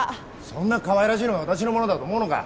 そんなかわいらしいのが私のものだと思うのか？